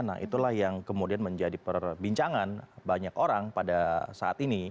nah itulah yang kemudian menjadi perbincangan banyak orang pada saat ini